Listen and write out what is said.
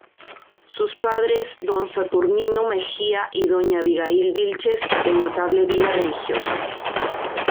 Sus padres Don Saturnino Mejía y Doña Abigail Vílchez de notable vida religiosa.